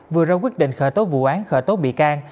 vừa ra quyết định khởi tố vụ án khởi tố bị can